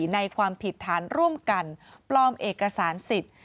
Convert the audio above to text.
ในความผิดฐานร่วมกันปลอมเอกสารสิทธิ์